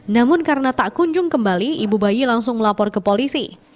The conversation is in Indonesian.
namun karena tak kunjung kembali ibu bayi langsung melapor ke polisi